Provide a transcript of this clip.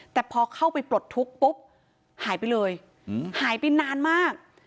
แต่พอเข้าไปปลดทุกข์ปุ๊บหายไปเลยหายไปนานมาก